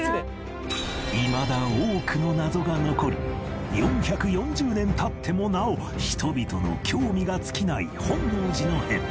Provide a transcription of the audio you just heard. いまだ多くの謎が残り４４０年経ってもなお人々の興味が尽きない本能寺の変